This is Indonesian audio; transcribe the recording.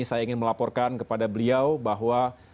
saya ingin melaporkan kepada beliau bahwa